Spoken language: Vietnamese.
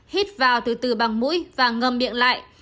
hít vào từ từ bằng mũi và ngầm miệng lại